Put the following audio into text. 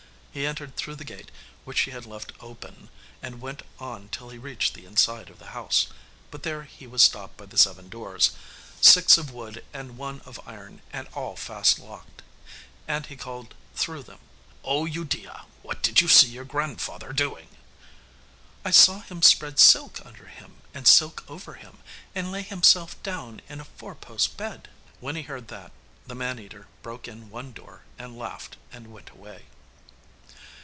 He entered through the gate which she had left open, and went on till he reached the inside of the house. But here he was stopped by the seven doors, six of wood and one of iron, and all fast locked. And he called through them 'Oh Udea, what did you see your grandfather doing?' 'I saw him spread silk under him, and silk over him, and lay himself down in a four post bed.' When he heard that, the man eater broke in one door, and laughed and went away.